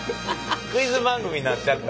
クイズ番組になっちゃった。